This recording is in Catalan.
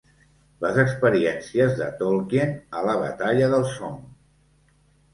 Les experiències de Tolkien a la Batalla del Somme.